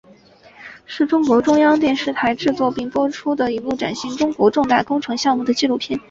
是中国中央电视台制作并播出的一部展现中国重大工程项目的纪录片。